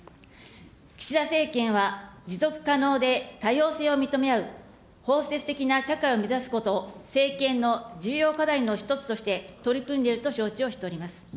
岸田政権は持続可能で、多様性を認め合う包摂的な社会を目指すことを政権の重要課題の一つとして、取り組んでいると承知をしております。